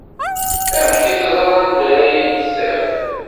Amek i teẓra anda ara iyi-d-taf?